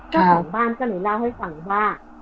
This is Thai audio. เจ้าของบ้านก็เลยเล่าให้ฟังว่า